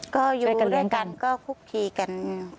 ก็อยู่กันด้วยกันก็คุกคีกัน